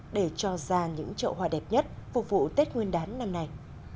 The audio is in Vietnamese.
để cho ra những trậu hoa đẹp nhất phục vụ tết nguyên đán năm nay